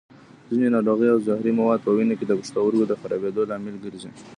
ځینې ناروغۍ او زهري مواد په وینه کې د پښتورګو د خرابېدو لامل ګرځي.